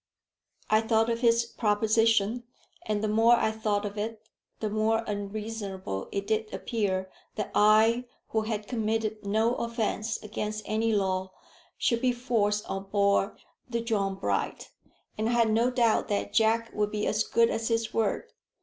I thought of his proposition; and the more I thought of it, the more unreasonable it did appear that I, who had committed no offence against any law, should be forced on board the John Bright. And I had no doubt that Jack would be as good as his word.